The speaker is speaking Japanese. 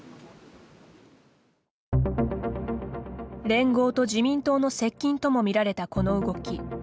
連合と自民党の接近ともみられた、この動き。